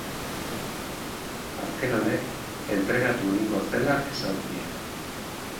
Azken honek entregatu egingo zela esan zien.